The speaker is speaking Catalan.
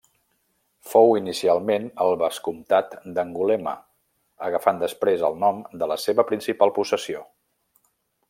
Fou inicialment el vescomtat d'Angulema agafant després el nom de la seva principal possessió.